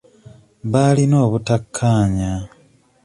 Baalina obutakkaanya.